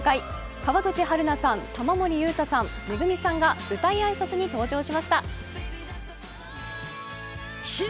川口春奈さん、玉森裕太さん、ＭＥＧＵＭＩさんが舞台挨拶に登場しました。